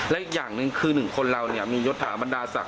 และอีกอย่างหนึ่งคือหนึ่งคนเราเนี่ยมียศถาบรรดาศักด